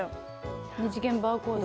二次元バーコード。